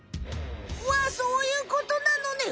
わそういうことなのね。